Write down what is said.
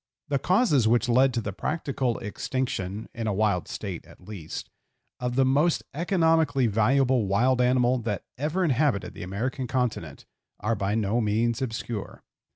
The causes which led to the practical extinction (in a wild state, at least) of the most economically valuable wild animal that ever inhabited the American continent, are by no means obscure.